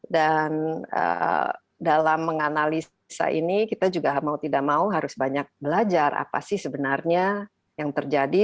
dan dalam menganalisa ini kita juga mau tidak mau harus banyak belajar apa sih sebenarnya yang terjadi